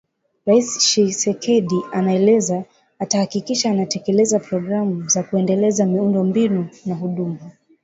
Rais Tshisekedi anaeleza atahakikisha anatekeleza programu za kuendeleza miundo mbinu na huduma